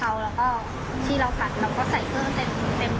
แต่ว่ามันก็จะไม่ได้เยอะเท่ากับแบบว่าอย่างร้านอื่นค่ะค่ะ